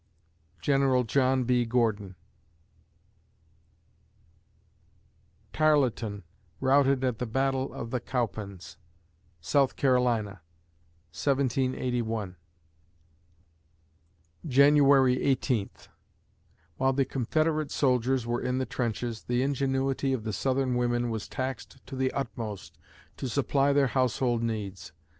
GENERAL JOHN B. GORDON Tarleton routed at the battle of the Cowpens, S. C., 1781 January Eighteenth While the Confederate soldiers were in the trenches, the ingenuity of the Southern women was taxed to the utmost to supply their household needs.